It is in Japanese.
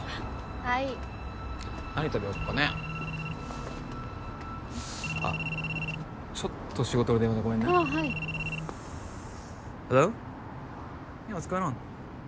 はいい何食べようかねあっちょっと仕事の電話でごめんねああはいＨｅｌｌｏ？